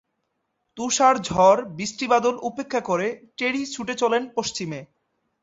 তুষার-ঝড়, বৃষ্টি-বাদল উপেক্ষা করে টেরি ছুটে চলেন পশ্চিমে।